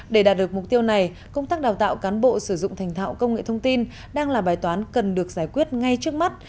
để đạt được mục tiêu này công tác đào tạo cán bộ sử dụng thành thạo công nghệ thông tin đang là bài toán cần được giải quyết ngay trước mắt